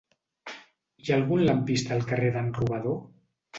Hi ha algun lampista al carrer d'en Robador?